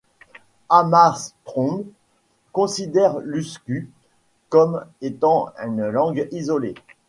Hammarström considère l'usku comme étant une langue isolée.